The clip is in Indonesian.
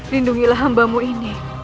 lindungilah hambamu ini